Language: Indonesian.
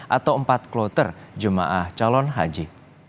atau empat kloter jum ah calon haji